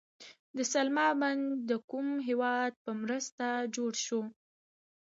د سلما بند د کوم هیواد په مرسته جوړ شو؟